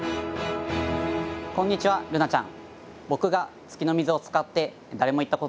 こんにちはルナちゃん。